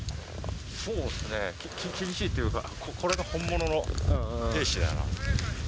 そうっすね、厳しいというか、これが本物の兵士だな。